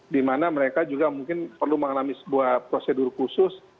di mana mereka juga mungkin perlu mengalami sebuah prosedur khusus